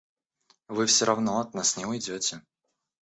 Вы всё равно от нас не уйдёте!